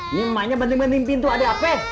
ini emaknya bener bener nipin tuh ada apa